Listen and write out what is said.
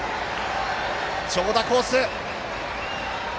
長打コース！